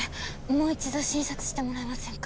もう一度診察してもらえませんか？